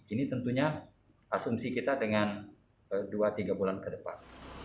ini tentunya asumsi kita dengan dua tiga bulan ke depan